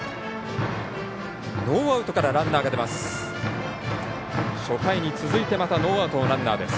ノーアウトからランナーが出ます。